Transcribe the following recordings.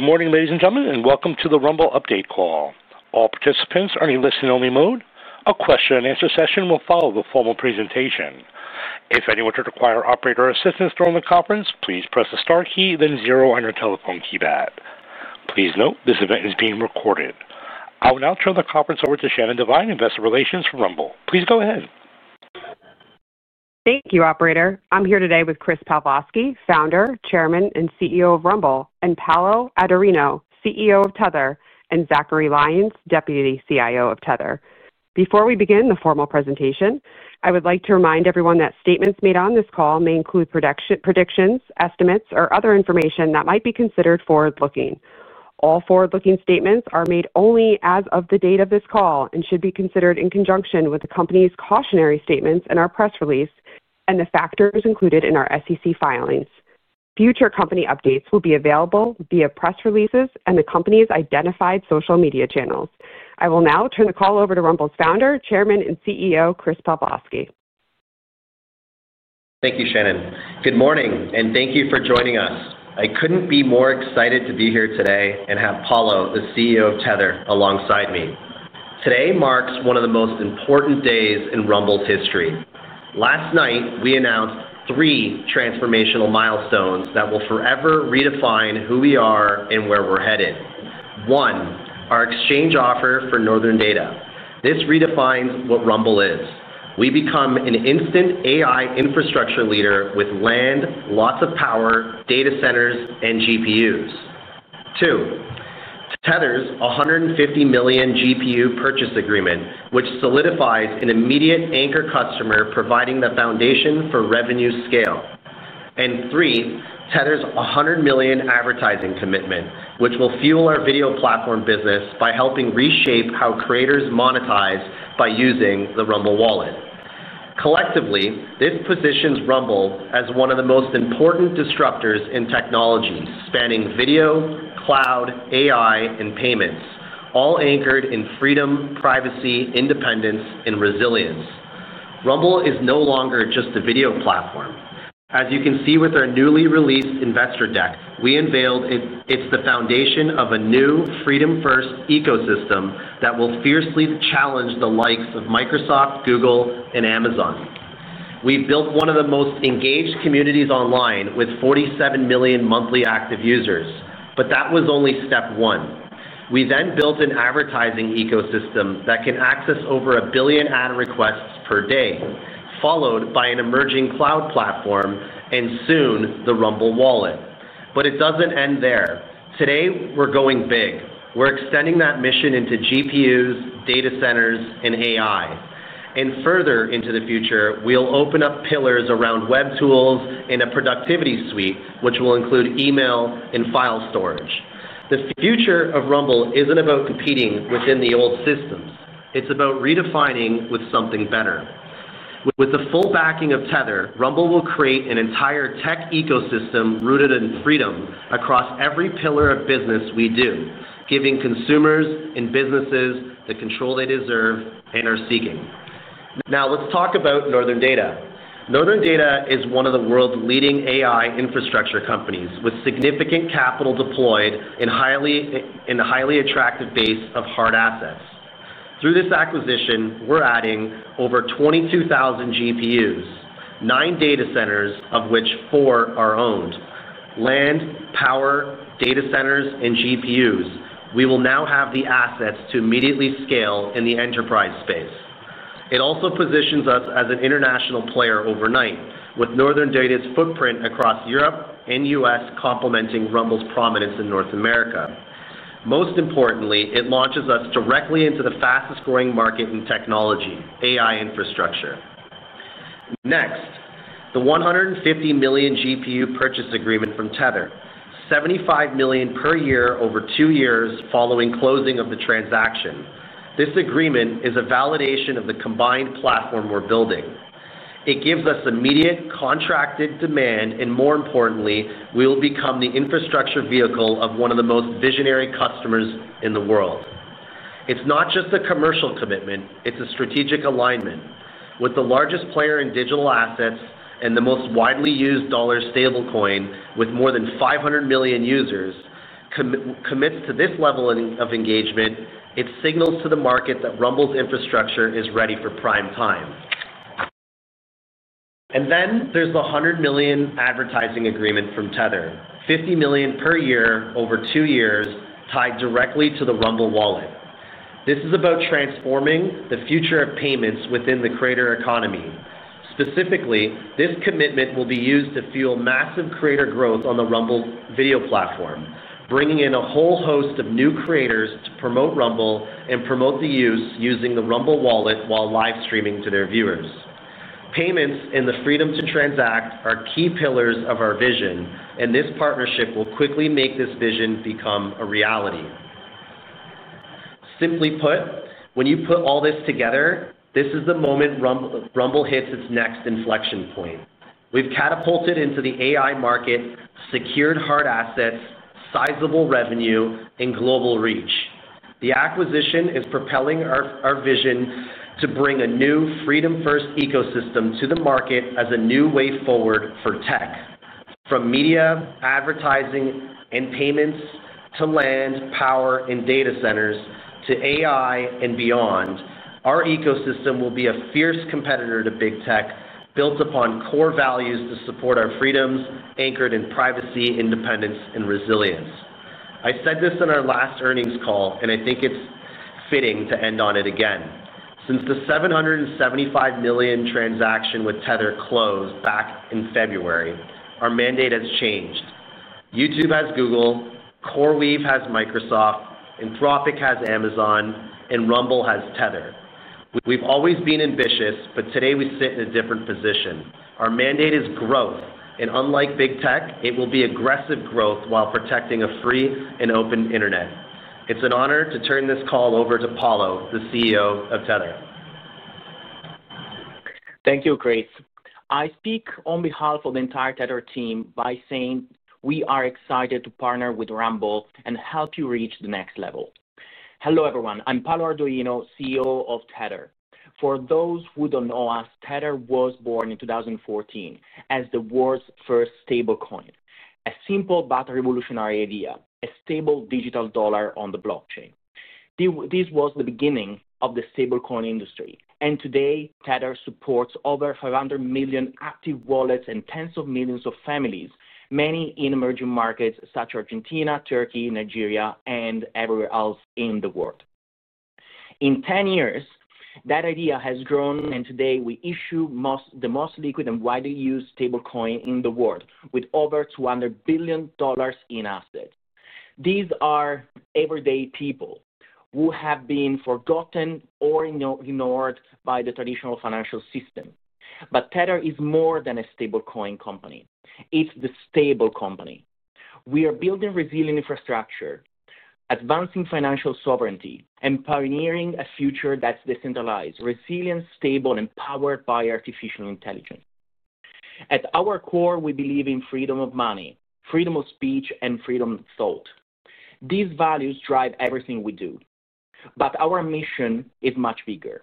Good morning, ladies and gentlemen, and welcome to the Rumble Update Call. All participants are in a listen-only mode. A question-and-answer session will follow the formal presentation. If anyone should require operator assistance during the conference, please press the star key, then zero on your telephone keypad. Please note, this event is being recorded. I will now turn the conference over to Shannon Devine, Investor Relations for Rumble. Please go ahead. Thank you, Operator. I'm here today with Chris Pavlovski, Founder, Chairman, and CEO of Rumble, and Paolo Ardoino, CEO of Tether, and Zachary Lyons, Deputy CIO of Tether. Before we begin the formal presentation, I would like to remind everyone that statements made on this call may include predictions, estimates, or other information that might be considered forward-looking. All forward-looking statements are made only as of the date of this call and should be considered in conjunction with the company's cautionary statements in our press release and the factors included in our SEC filings. Future company updates will be available via press releases and the company's identified social media channels. I will now turn the call over to Rumble's Founder, Chairman, and CEO, Chris Pavlovski. Thank you, Shannon. Good morning, and thank you for joining us. I could not be more excited to be here today and have Paolo, the CEO of Tether, alongside me. Today marks one of the most important days in Rumble's history. Last night, we announced three transformational milestones that will forever redefine who we are and where we are headed. One, our exchange offer for Northern Data. This redefines what Rumble is. We become an instant AI infrastructure leader with land, lots of power, data centers, and GPUs. Two, Tether's $150 million GPU purchase agreement, which solidifies an immediate anchor customer, providing the foundation for revenue scale. Three, Tether's $100 million advertising commitment, which will fuel our video platform business by helping reshape how creators monetize by using the Rumble Wallet. Collectively, this positions Rumble as one of the most important disruptors in technology, spanning video, cloud, AI, and payments, all anchored in freedom, privacy, independence, and resilience. Rumble is no longer just a video platform. As you can see with our newly released investor deck, we unveiled it is the foundation of a new freedom-first ecosystem that will fiercely challenge the likes of Microsoft, Google, and Amazon. We have built one of the most engaged communities online with 47 million monthly active users, but that was only step one. We then built an advertising ecosystem that can access over a billion ad requests per day, followed by an emerging cloud platform and soon the Rumble Wallet. It does not end there. Today, we are going big. We are extending that mission into GPUs, data centers, and AI. Further into the future, we'll open up pillars around web tools and a productivity suite, which will include email and file storage. The future of Rumble isn't about competing within the old systems. It's about redefining with something better. With the full backing of Tether, Rumble will create an entire tech ecosystem rooted in freedom across every pillar of business we do, giving consumers and businesses the control they deserve and are seeking. Now, let's talk about Northern Data. Northern Data is one of the world's leading AI infrastructure companies with significant capital deployed in a highly attractive base of hard assets. Through this acquisition, we're adding over 22,000 GPUs, nine data centers, of which four are owned. Land, power, data centers, and GPUs, we will now have the assets to immediately scale in the enterprise space. It also positions us as an international player overnight, with Northern Data's footprint across Europe and the U.S. complementing Rumble's prominence in North America. Most importantly, it launches us directly into the fastest-growing market in technology, AI infrastructure. Next, the $150 million GPU purchase agreement from Tether, $75 million per year over two years following closing of the transaction. This agreement is a validation of the combined platform we're building. It gives us immediate contracted demand, and more importantly, we'll become the infrastructure vehicle of one of the most visionary customers in the world. It's not just a commercial commitment; it's a strategic alignment. With the largest player in digital assets and the most widely used dollar stablecoin, with more than 500 million users, commits to this level of engagement, it signals to the market that Rumble's infrastructure is ready for prime time. There is the $100 million advertising agreement from Tether, $50 million per year over two years, tied directly to the Rumble Wallet. This is about transforming the future of payments within the creator economy. Specifically, this commitment will be used to fuel massive creator growth on the Rumble Video platform, bringing in a whole host of new creators to promote Rumble and promote the use using the Rumble Wallet while live streaming to their viewers. Payments and the freedom to transact are key pillars of our vision, and this partnership will quickly make this vision become a reality. Simply put, when you put all this together, this is the moment Rumble hits its next inflection point. We have catapulted into the AI market, secured hard assets, sizable revenue, and global reach. The acquisition is propelling our vision to bring a new freedom-first ecosystem to the market as a new way forward for tech. From media, advertising, and payments to land, power, and data centers, to AI and beyond, our ecosystem will be a fierce competitor to big tech, built upon core values to support our freedoms, anchored in privacy, independence, and resilience. I said this in our last earnings call, and I think it's fitting to end on it again. Since the $775 million transaction with Tether closed back in February, our mandate has changed. YouTube has Google, CoreWeave has Microsoft, Anthropic has Amazon, and Rumble has Tether. We've always been ambitious, but today we sit in a different position. Our mandate is growth, and unlike big tech, it will be aggressive growth while protecting a free and open internet. It's an honor to turn this call over to Paolo, the CEO of Tether. Thank you, Chris. I speak on behalf of the entire Tether team by saying we are excited to partner with Rumble and help you reach the next level. Hello, everyone. I'm Paolo Ardoino, CEO of Tether. For those who don't know us, Tether was born in 2014 as the world's first stablecoin, a simple but revolutionary idea, a stable digital dollar on the blockchain. This was the beginning of the stablecoin industry, and today, Tether supports over 500 million active wallets and tens of millions of families, many in emerging markets such as Argentina, Turkey, Nigeria, and everywhere else in the world. In 10 years, that idea has grown, and today we issue the most liquid and widely used stablecoin in the world, with over $200 billion in assets. These are everyday people who have been forgotten or ignored by the traditional financial system. Tether is more than a stablecoin company. It is the stable company. We are building resilient infrastructure, advancing financial sovereignty, and pioneering a future that is decentralized, resilient, stable, and powered by artificial intelligence. At our core, we believe in freedom of money, freedom of speech, and freedom of thought. These values drive everything we do. Our mission is much bigger.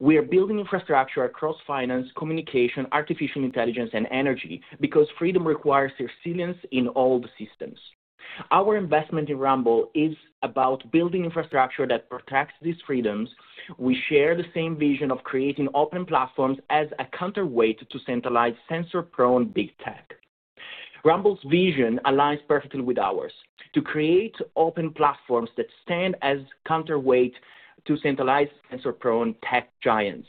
We are building infrastructure across finance, communication, artificial intelligence, and energy because freedom requires resilience in all the systems. Our investment in Rumble is about building infrastructure that protects these freedoms. We share the same vision of creating open platforms as a counterweight to centralized censor-prone big tech. Rumble's vision aligns perfectly with ours to create open platforms that stand as counterweight to centralized censor-prone tech giants.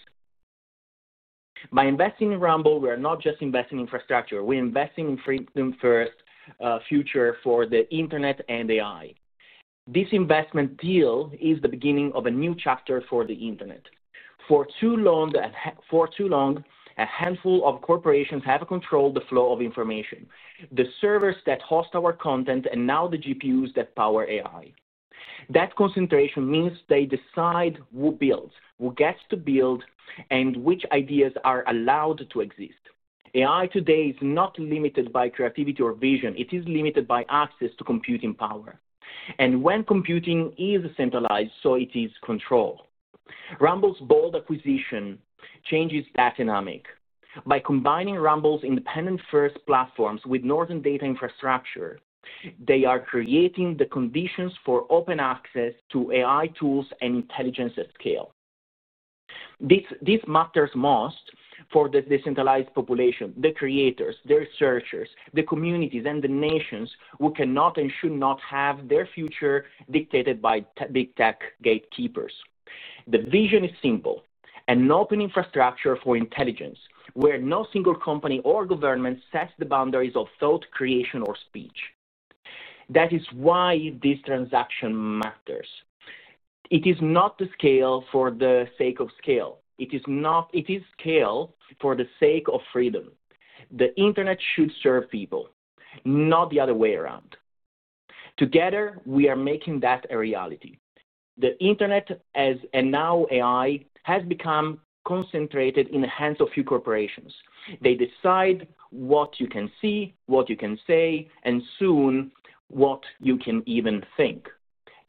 By investing in Rumble, we are not just investing in infrastructure. We are investing in a freedom-first future for the internet and AI. This investment deal is the beginning of a new chapter for the internet. For too long, a handful of corporations have controlled the flow of information, the servers that host our content, and now the GPUs that power AI. That concentration means they decide who builds, who gets to build, and which ideas are allowed to exist. AI today is not limited by creativity or vision. It is limited by access to computing power. When computing is centralized, so it is control. Rumble's bold acquisition changes that dynamic. By combining Rumble's independent-first platforms with Northern Data infrastructure, they are creating the conditions for open access to AI tools and intelligence at scale. This matters most for the decentralized population, the creators, the researchers, the communities, and the nations who cannot and should not have their future dictated by big tech gatekeepers. The vision is simple: an open infrastructure for intelligence where no single company or government sets the boundaries of thought, creation, or speech. That is why this transaction matters. It is not to scale for the sake of scale. It is scale for the sake of freedom. The internet should serve people, not the other way around. Together, we are making that a reality. The internet, as and now AI, has become concentrated in the hands of a few corporations. They decide what you can see, what you can say, and soon what you can even think.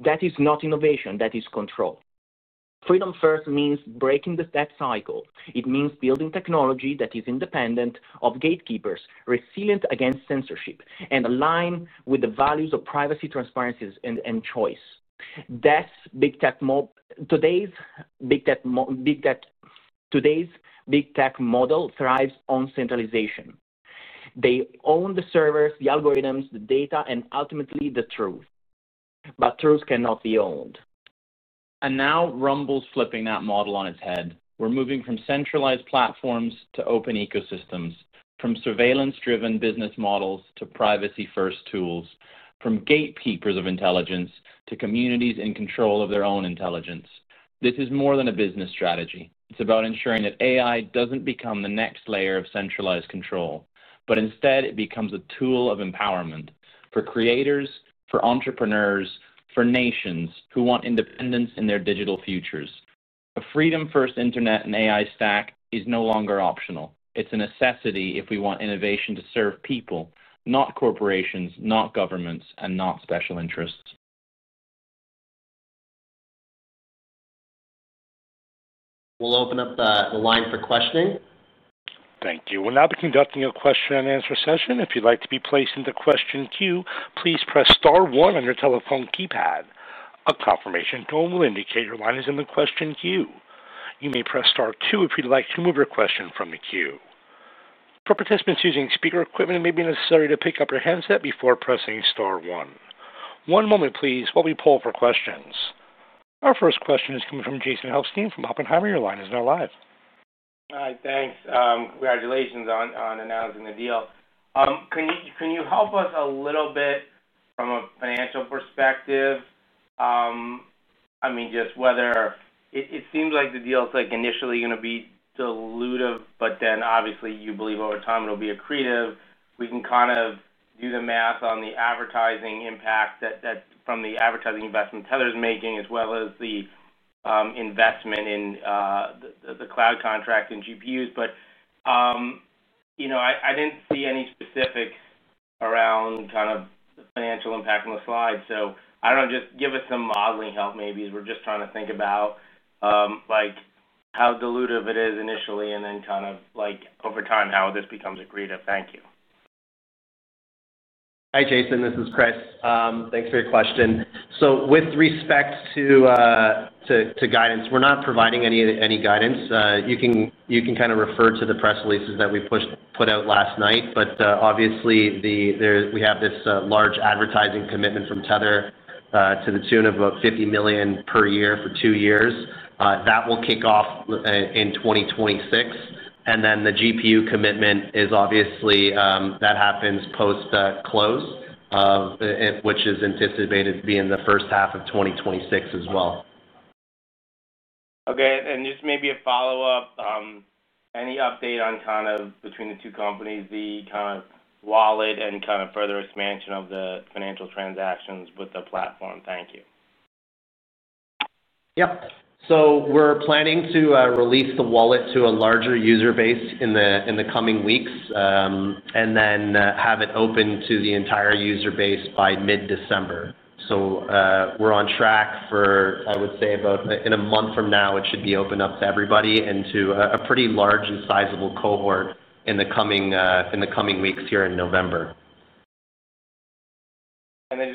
That is not innovation. That is control. Freedom-first means breaking that cycle. It means building technology that is independent of gatekeepers, resilient against censorship, and aligned with the values of privacy, transparency, and choice. Today's big tech model thrives on centralization. They own the servers, the algorithms, the data, and ultimately the truth. Truth cannot be owned. Rumble's flipping that model on its head. We're moving from centralized platforms to open ecosystems, from surveillance-driven business models to privacy-first tools, from gatekeepers of intelligence to communities in control of their own intelligence. This is more than a business strategy. It's about ensuring that AI doesn't become the next layer of centralized control, but instead it becomes a tool of empowerment for creators, for entrepreneurs, for nations who want independence in their digital futures. A freedom-first internet and AI stack is no longer optional. It's a necessity if we want innovation to serve people, not corporations, not governments, and not special interests. We'll open up the line for questioning. Thank you. We'll now be conducting a question and answer session. If you'd like to be placed in the question queue, please press star one on your telephone keypad. A confirmation tone will indicate your line is in the question queue. You may press star two if you'd like to remove your question from the queue. For participants using speaker equipment, it may be necessary to pick up your handset before pressing star one. One moment, please, while we pull up our questions. Our first question is coming from Jason Helfstein from Oppenheimer. Your line is now live. Hi, thanks. Congratulations on announcing the deal. Can you help us a little bit from a financial perspective? I mean, just whether it seems like the deal's initially going to be dilutive, but then obviously you believe over time it'll be accretive. We can kind of do the math on the advertising impact from the advertising investment Tether's making, as well as the investment in the cloud contract and GPUs. I didn't see any specifics around kind of the financial impact on the slide. I don't know, just give us some modeling help maybe as we're just trying to think about how dilutive it is initially and then kind of over time how this becomes accretive. Thank you. Hi, Jason. This is Chris. Thanks for your question. With respect to guidance, we're not providing any guidance. You can kind of refer to the press releases that we put out last night. Obviously, we have this large advertising commitment from Tether to the tune of about $50 million per year for two years. That will kick off in 2026. The GPU commitment is obviously that happens post-close, which is anticipated to be in the first half of 2026 as well. Okay. And just maybe a follow-up, any update on kind of between the two companies, the kind of wallet and kind of further expansion of the financial transactions with the platform? Thank you. Yep. We're planning to release the wallet to a larger user base in the coming weeks and then have it open to the entire user base by mid-December. We're on track for, I would say, about in a month from now, it should be open up to everybody and to a pretty large and sizable cohort in the coming weeks here in November.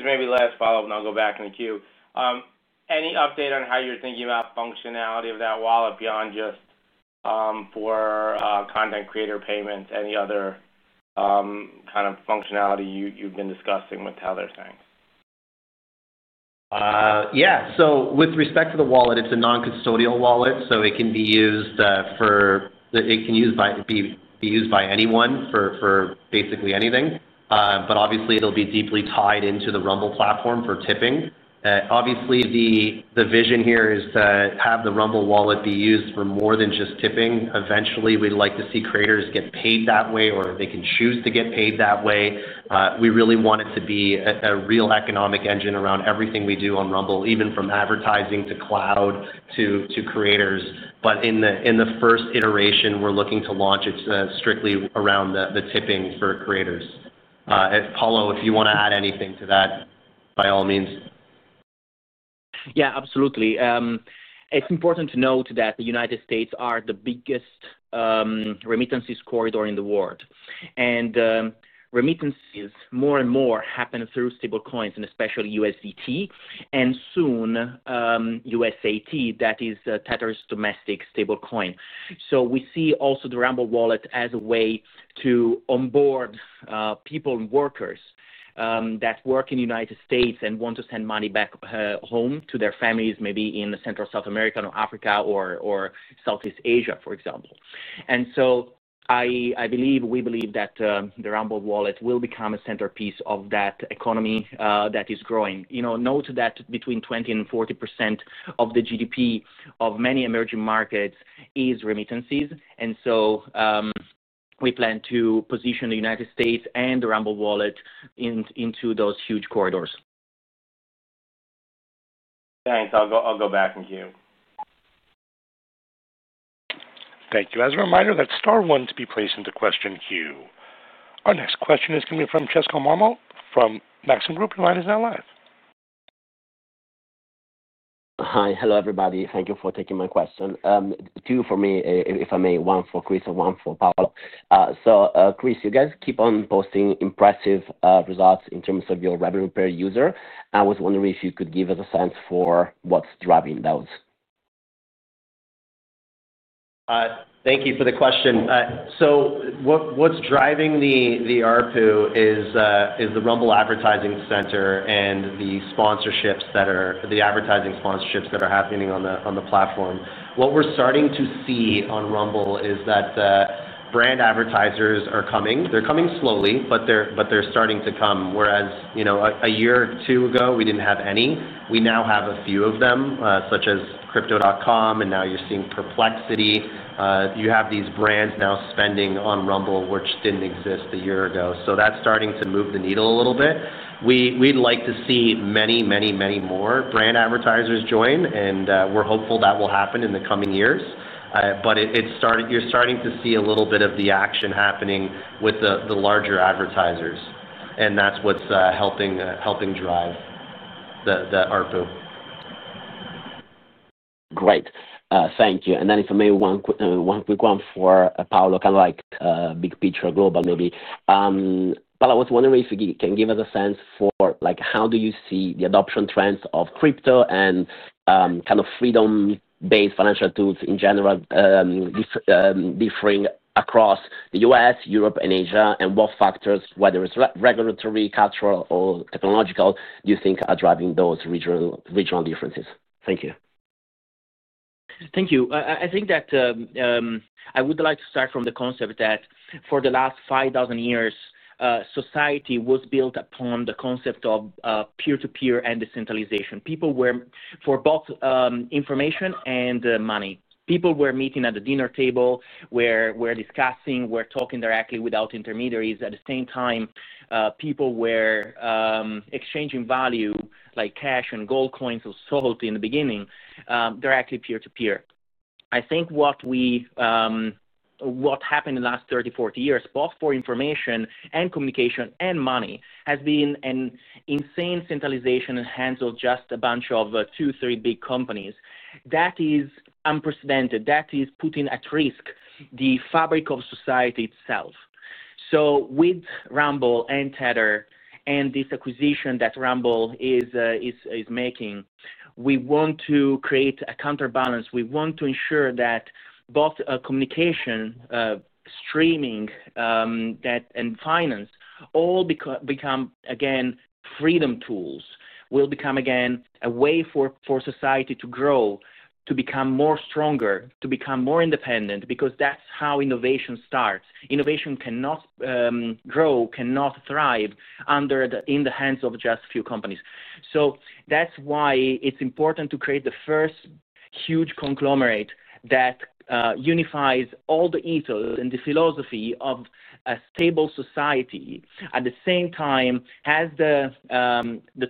Maybe the last follow-up, and I'll go back in the queue. Any update on how you're thinking about functionality of that wallet beyond just for content creator payments? Any other kind of functionality you've been discussing with Tether? Thanks. Yeah. With respect to the wallet, it's a non-custodial wallet, so it can be used by anyone for basically anything. Obviously, it'll be deeply tied into the Rumble platform for tipping. Obviously, the vision here is to have the Rumble Wallet be used for more than just tipping. Eventually, we'd like to see creators get paid that way or they can choose to get paid that way. We really want it to be a real economic engine around everything we do on Rumble, even from advertising to cloud to creators. In the first iteration, we're looking to launch it strictly around the tipping for creators. Paolo, if you want to add anything to that, by all means. Yeah, absolutely. It's important to note that the United States are the biggest remittances corridor in the world. Remittances more and more happen through stablecoins, and especially USDT, and soon USAT, that is Tether's domestic stablecoin. We see also the Rumble Wallet as a way to onboard people and workers that work in the United States and want to send money back home to their families, maybe in Central South America or Africa or Southeast Asia, for example. I believe we believe that the Rumble Wallet will become a centerpiece of that economy that is growing. Note that between 20% and 40% of the GDP of many emerging markets is remittances. We plan to position the United States and the Rumble Wallet into those huge corridors. Thanks. I'll go back in queue. Thank you. As a reminder, that is star one to be placed into the question queue. Our next question is coming from Francesco Marmo from Maxim Group. Your line is now live. Hi. Hello, everybody. Thank you for taking my question. Two for me, if I may, one for Chris and one for Paolo. So Chris, you guys keep on posting impressive results in terms of your revenue per user. I was wondering if you could give us a sense for what's driving those. Thank you for the question. What's driving the ARPU is the Rumble Advertising Center and the advertising sponsorships that are happening on the platform. What we're starting to see on Rumble is that brand advertisers are coming. They're coming slowly, but they're starting to come. Whereas a year or two ago, we didn't have any, we now have a few of them, such as Crypto.com, and now you're seeing Perplexity. You have these brands now spending on Rumble, which didn't exist a year ago. That's starting to move the needle a little bit. We'd like to see many, many, many more brand advertisers join, and we're hopeful that will happen in the coming years. You're starting to see a little bit of the action happening with the larger advertisers, and that's what's helping drive the ARPU. Great. Thank you. If I may, one quick one for Paolo, kind of like big picture global maybe. Paolo, I was wondering if you can give us a sense for how do you see the adoption trends of crypto and kind of freedom-based financial tools in general differing across the U.S., Europe, and Asia, and what factors, whether it is regulatory, cultural, or technological, do you think are driving those regional differences? Thank you. Thank you. I think that I would like to start from the concept that for the last 5,000 years, society was built upon the concept of peer-to-peer and decentralization. People were for both information and money. People were meeting at the dinner table, were discussing, were talking directly without intermediaries. At the same time, people were exchanging value like cash and gold coins or so in the beginning, directly peer-to-peer. I think what happened in the last 30-40 years, both for information and communication and money, has been an insane centralization in the hands of just a bunch of two, three big companies. That is unprecedented. That is putting at risk the fabric of society itself. With Rumble and Tether and this acquisition that Rumble is making, we want to create a counterbalance. We want to ensure that both communication, streaming, and finance all become, again, freedom tools, will become again a way for society to grow, to become more stronger, to become more independent, because that's how innovation starts. Innovation cannot grow, cannot thrive in the hands of just a few companies. That is why it is important to create the first huge conglomerate that unifies all the ethos and the philosophy of a stable society, at the same time has the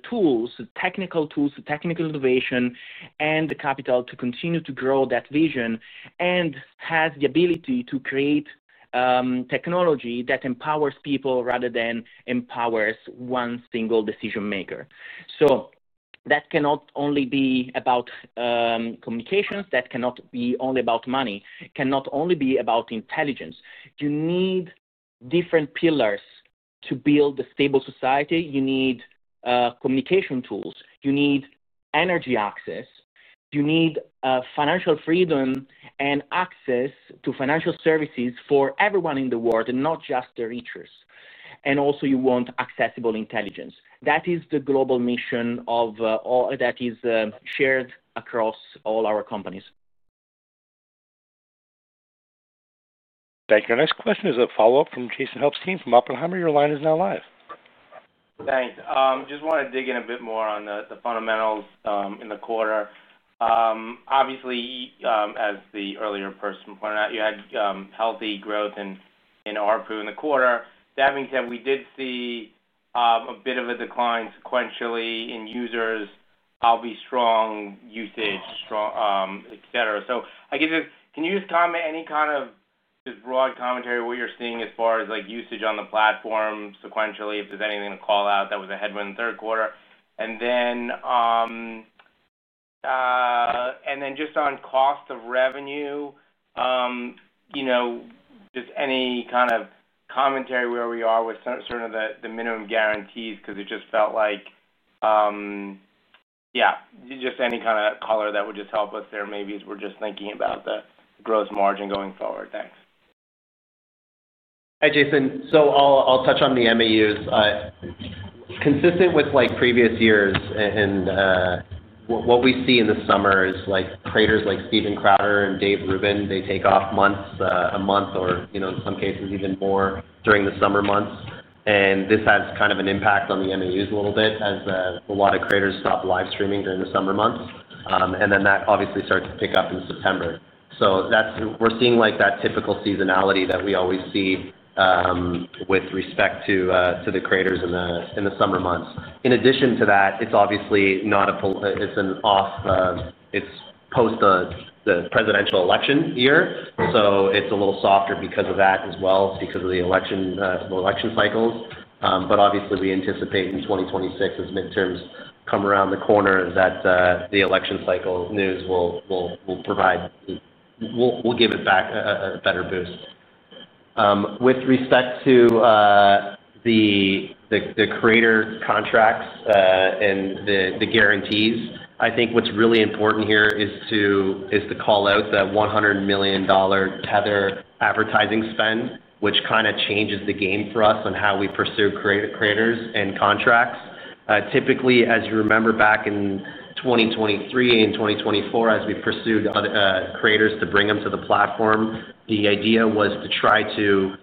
tools, the technical tools, the technical innovation, and the capital to continue to grow that vision, and has the ability to create technology that empowers people rather than empowers one single decision-maker. That cannot only be about communications. That cannot be only about money. It cannot only be about intelligence. You need different pillars to build a stable society. You need communication tools. You need energy access. You need financial freedom and access to financial services for everyone in the world and not just the richest. You want accessible intelligence. That is the global mission that is shared across all our companies. Thank you. Our next question is a follow-up from Jason Helfstein from Oppenheimer. Your line is now live. Thanks. Just want to dig in a bit more on the fundamentals in the quarter. Obviously, as the earlier person pointed out, you had healthy growth in ARPU in the quarter. That being said, we did see a bit of a decline sequentially in users, I'll be strong, usage, etc. I guess, can you just comment any kind of just broad commentary of what you're seeing as far as usage on the platform sequentially, if there's anything to call out that was a headwind in the third quarter? Just on cost of revenue, just any kind of commentary where we are with certain of the minimum guarantees because it just felt like, yeah, just any kind of color that would just help us there maybe as we're just thinking about the gross margin going forward. Thanks. Hi, Jason. So I'll touch on the MAUs. Consistent with previous years, and what we see in the summer is creators like Stephen Crowder and Dave Rubin, they take off a month or, in some cases, even more during the summer months. This has kind of an impact on the MAUs a little bit as a lot of creators stop live streaming during the summer months. That obviously starts to pick up in September. We're seeing that typical seasonality that we always see with respect to the creators in the summer months. In addition to that, it's obviously not a it's post the presidential election year. It's a little softer because of that as well, because of the election cycles. Obviously, we anticipate in 2026, as midterms come around the corner, that the election cycle news will give it back a better boost. With respect to the creator contracts and the guarantees, I think what's really important here is to call out the $100 million Tether advertising spend, which kind of changes the game for us on how we pursue creators and contracts. Typically, as you remember back in 2023 and 2024, as we pursued creators to bring them to the platform, the idea was to try to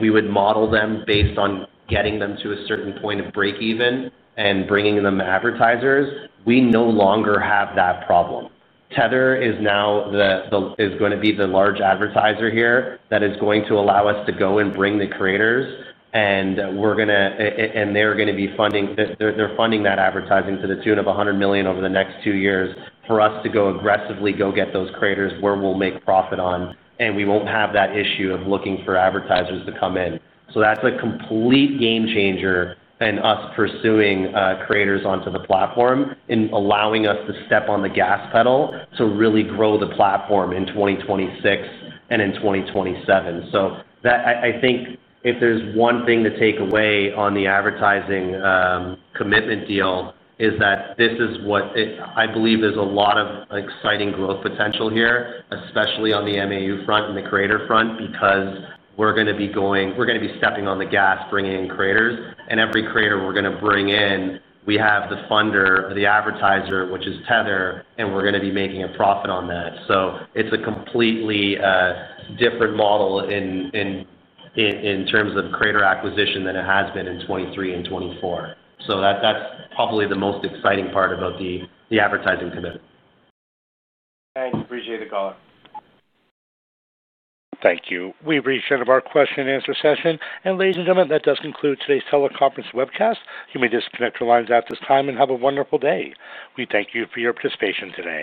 we would model them based on getting them to a certain point of break-even and bringing them advertisers. We no longer have that problem. Tether is now going to be the large advertiser here that is going to allow us to go and bring the creators. They're going to be funding that advertising to the tune of $100 million over the next two years for us to go aggressively go get those creators where we'll make profit on. We will not have that issue of looking for advertisers to come in. That is a complete game changer in us pursuing creators onto the platform and allowing us to step on the gas pedal to really grow the platform in 2026 and in 2027. I think if there is one thing to take away on the advertising commitment deal, it is that this is what I believe is a lot of exciting growth potential here, especially on the MAU front and the creator front because we are going to be stepping on the gas bringing in creators. Every creator we are going to bring in, we have the funder, the advertiser, which is Tether, and we are going to be making a profit on that. It is a completely different model in terms of creator acquisition than it has been in 2023 and 2024. That's probably the most exciting part about the advertising commitment. Thanks. Appreciate the call. Thank you. We have reached the end of our question-and-answer session. Ladies and gentlemen, that does conclude today's teleconference webcast. You may disconnect your lines at this time and have a wonderful day. We thank you for your participation today.